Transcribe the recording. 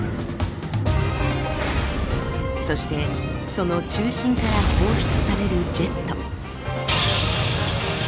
そしてその中心から放出されるジェット。